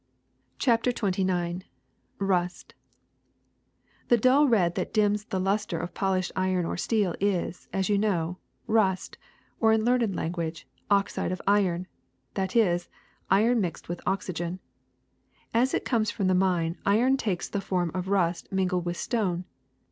'' CHAPTER XXIX BUST THE dull red that dims the luster of polished iron or steel is, as you know, rust, or, in learned language, oxide of iron; that is, iron mixed with oxygen. As it comes from the mine, iron takes this form of rust mingled with stone.